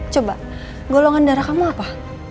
coba golongan darah kamu apa